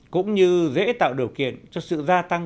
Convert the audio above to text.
cũng như dễ tạo điều kiện cho sự gia tăng